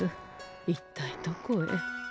一体どこへ。